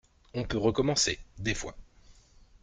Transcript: On peut recommencer, des fois!